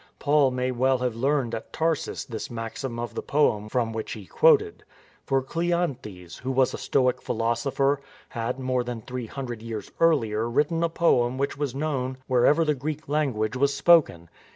Paul may well have learned at Tarsus this maxim of the poem from which he quoted. For Cleanthes, who was a Stoic philosopher, had more than three hundred years earlier written a poem which was known wher ever the Greek language was spoken.